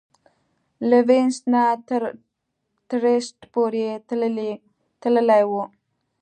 له وینس نه تر ترېسټ پورې تللې وه.